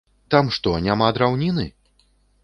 Там што, няма драўніны?